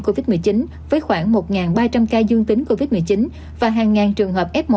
covid một mươi chín với khoảng một ba trăm linh ca dương tính covid một mươi chín và hàng ngàn trường hợp f một